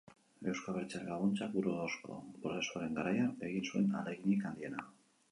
Eusko Abertzale Laguntzak Burgosko Prozesuaren garaian egin zuen ahaleginik handiena.